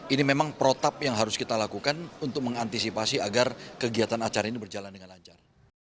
ini memang protap yang harus kita lakukan untuk mengantisipasi agar kegiatan acara ini berjalan dengan lancar